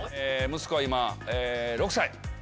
息子は今６歳。